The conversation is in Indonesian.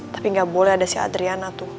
tapi gak boleh ada si adriana tuh